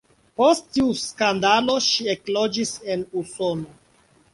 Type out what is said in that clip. Post tiu skandalo ŝi ekloĝis en Usono.